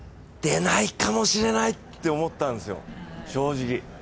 出ないかもしれないって思ったんですよ、正直。